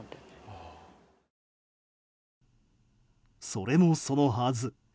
それもそのはず。